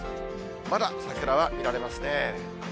まだ桜は見られますね。